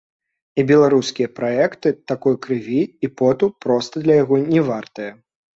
І беларускія праекты такой крыві і поту проста для яго не вартыя.